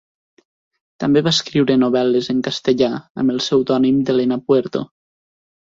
També va escriure novel·les en castellà amb el pseudònim d'Elena Puerto.